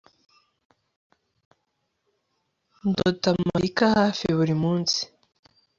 Ndota Marika hafi buri munsi